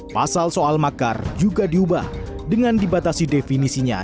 pasal soal makar juga diubah dengan dibatasi definisinya